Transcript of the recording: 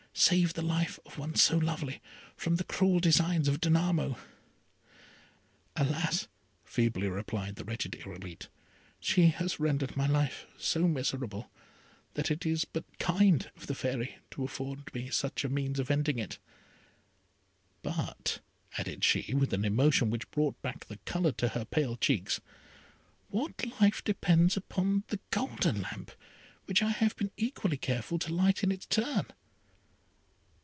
Save the life of one so lovely from the cruel designs of Danamo." "Alas!" feebly replied the wretched Irolite, "she has rendered my life so miserable, that it is but kind of the Fairy to afford me such means of ending it; but," added she, with an emotion which brought back the colour to her pale cheeks, "what life depends upon the golden lamp, which I have been equally careful to light in its turn?"